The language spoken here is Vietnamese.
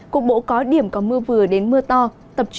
cục bộ có điểm có mưa vừa đến mưa to